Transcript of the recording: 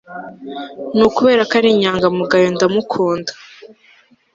Ni ukubera ko ari inyangamugayo ndamukunda